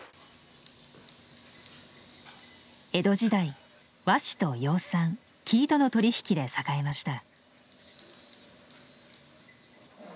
江戸時代和紙と養蚕生糸の取り引きで栄えました。